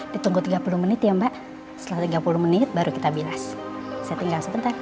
ditunggu tiga puluh menit ya mbak setelah tiga puluh menit baru kita bilas saya tinggal sebentar